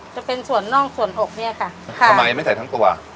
จะเป็นส่วนนอกส่วนอกเนี่ยค่ะทำไมไม่ใส่ทั้งตัว